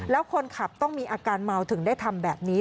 แล้วคนขับต้องมีอาการเมาถึงได้ทำแบบนี้